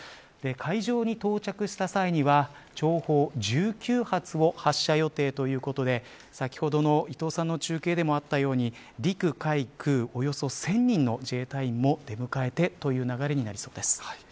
会場に到着した際には弔砲１９発を発射予定ということで先ほどの伊藤さんの中継でもあったように陸海空およそ１０００人の自衛隊員も出迎えてという流れになりそうです。